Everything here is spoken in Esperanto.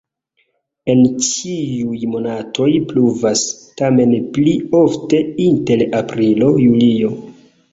En ĉiuj monatoj pluvas, tamen pli ofte inter aprilo-julio.